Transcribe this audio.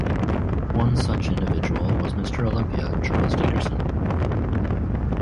One such individual was Mr. Olympia, Chris Dickerson.